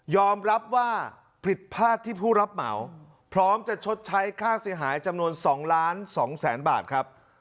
ยอมรับว่าผลิตภาพที่ผู้รับเหมาพร้อมจะชดใช้ค่าเสียหายจำนวนสองล้านสองแสนบาทครับ